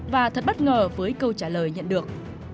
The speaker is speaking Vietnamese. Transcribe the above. và thật bất ngờ với câu trả lời nhận được